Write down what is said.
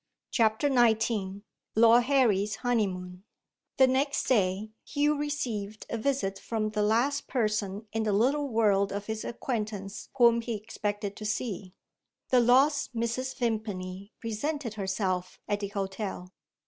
CHAPTER XXIV LORD HARRY'S HONEYMOON THE next day, Hugh received a visit from the last person in the little world of his acquaintance whom he expected to see. The lost Mrs. Vimpany presented herself at the hotel.